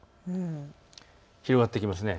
広がってきますね。